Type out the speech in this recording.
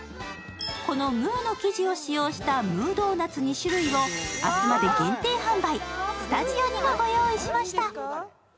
このムーの生地を使用したムードーナツ２種類を明日まで限定販売、スタジオにもご用意しました。